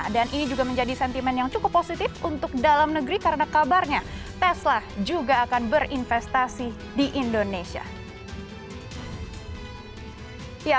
dan ini juga menjadi sentimen yang cukup positif untuk dalam negeri karena kabarnya tesla juga akan berinvestasi di indonesia